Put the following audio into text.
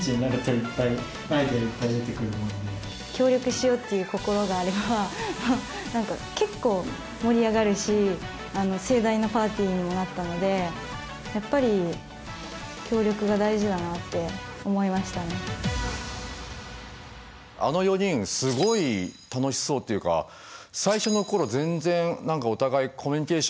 協力しようっていう心があれば何か結構盛り上がるし盛大なパーティーにもなったのでやっぱりあの４人すごい楽しそうっていうか最初の頃全然お互いコミュニケーション